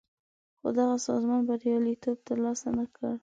خو دغه سازمان بریالیتوب تر لاسه نه کړ.